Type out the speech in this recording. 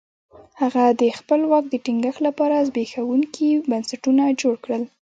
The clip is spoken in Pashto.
هغه د خپل واک د ټینګښت لپاره زبېښونکي بنسټونه جوړ کړل.